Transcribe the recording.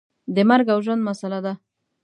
د مرګ او ژوند مسله ده.